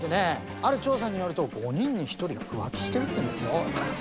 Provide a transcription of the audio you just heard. ある調査によると５人に１人は浮気してるっていうんですよ。